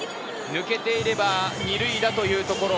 抜けていれば２塁打というところ。